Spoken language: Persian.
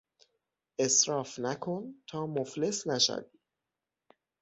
اسراف نکن تا مفلس نشوی